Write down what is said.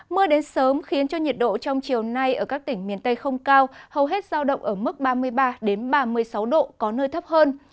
mưa đến sớm khiến cho nhiệt độ trong chiều nay ở các tỉnh miền tây không cao hầu hết giao động ở mức ba mươi ba ba mươi sáu độ có nơi thấp hơn